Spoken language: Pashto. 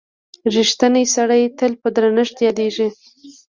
• رښتینی سړی تل په درنښت یادیږي.